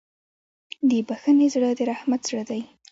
د بښنې زړه د رحمت زړه دی.